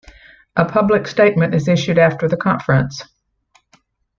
A public statement is issued after the conference.